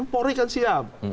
pori kan siap